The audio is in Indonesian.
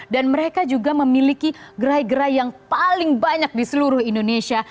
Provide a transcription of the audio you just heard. dan mereka juga memiliki gerai gerai yang paling banyak di seluruh indonesia